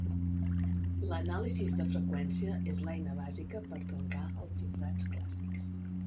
L'anàlisi de freqüències és l'eina bàsica per trencar els xifrats clàssics.